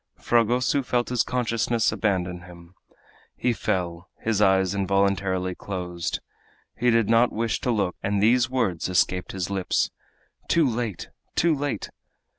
Fragoso felt his consciousness abandon him. He fell; his eyes involuntarily closed. He did not wish to look, and these words escaped his lips: "Too late! too late!"